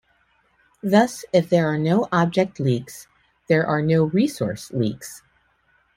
Thus if there are no object leaks, there are no resource leaks.